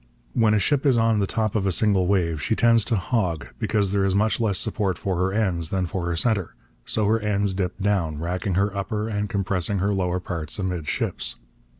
When a ship is on the top of a single wave she tends to hog, because there is much less support for her ends than for her centre, and so her ends dip down, racking her upper and compressing her lower parts amidships.